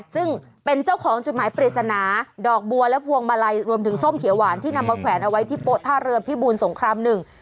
ซึ่งเป็นเจ้าของจุดหมายปริศนาดอกบัวและพวงมาลัยรวมถึงส้มเขียวหวานที่นำมาแขวนเอาไว้ที่โป๊ท่าเรือพิบูลสงครามหนึ่ง